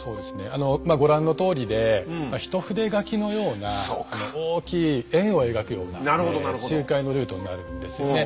あのまあご覧のとおりで一筆書きのような大きい円を描くような周回のルートになるんですよね。